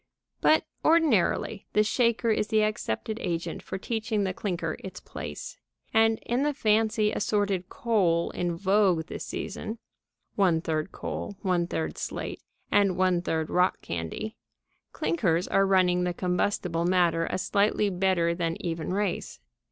But, ordinarily, the shaker is the accepted agent for teaching the clinker its place. And, in the fancy assorted coal in vogue this season (one third coal, one third slate, and one third rock candy) clinkers are running the combustible matter a slightly better than even race.